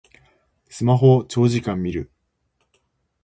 スマホを長時間みる